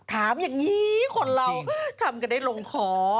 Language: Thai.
ถามอย่างนี้คนเราทำกันได้ลงคอ